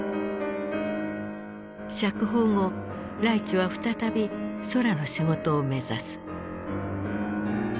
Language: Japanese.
釈放後ライチュは再び空の仕事を目指す。